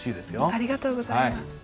ありがとうございます。